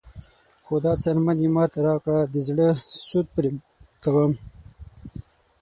خو دا څرمن یې ماته راکړه د زړه سود پرې کوم.